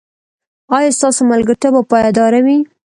ایا ستاسو ملګرتیا به پایداره وي؟